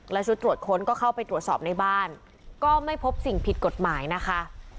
และชุดตรวจค้นก็เข้าไปตรวจสอบในบ้านก็ไม่พบสิ่งผิดกฎหมายนะคะ